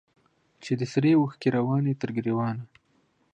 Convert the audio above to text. چي دي سرې اوښکي رواني تر ګرېوانه